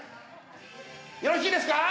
よろしいですか？